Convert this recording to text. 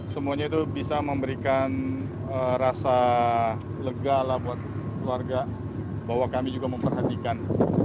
semuanya itu bisa memberikan rasa lega lah buat keluarga bahwa kami juga memperhatikan